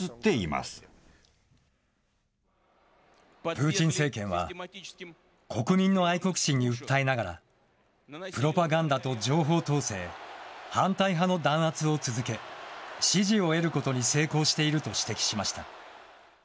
プーチン政権は、国民の愛国心に訴えながら、プロパガンダと情報統制、反対派の弾圧を続け、支持を得ることに成功していると指摘しました。